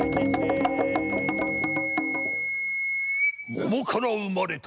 桃から生まれた。